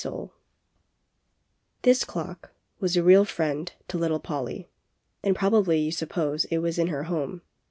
SOULE. This clock was areal friend to little Polly, and probably you suppose it was in her home.